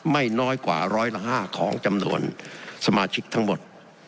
ไม่น้อยกว่าร้อยละ๕ของจำนวนสมาชิกทั้งหมด